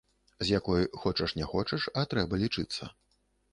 З якой, хочаш не хочаш, а трэба лічыцца.